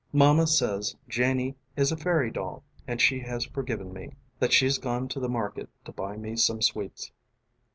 :: ┬Ā┬ĀMama says Janie is a fairy doll ┬Ā┬Āand she has forgiven meŌĆö ┬Ā┬Āthat she's gone to the market ┬Ā┬Āto buy me some sweets.